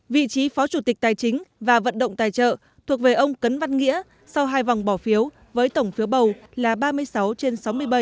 vị trí phó chủ tịch tài chính và vận động tài trợ thuộc về ông cấn văn nghĩa sau hai vòng bỏ phiếu với tổng phiếu bầu là ba mươi sáu trên sáu mươi bảy